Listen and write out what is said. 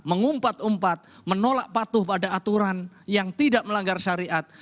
mengumpat umpat menolak patuh pada aturan yang tidak melanggar syariat